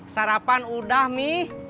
sarapan udah mi